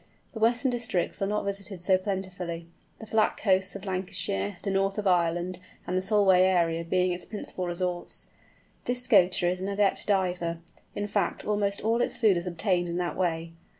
The western districts are not visited so plentifully, the flat coasts of Lancashire, the north of Ireland, and the Solway area being its principal resorts. This Scoter is an adept diver; in fact, almost all its food is obtained in that way.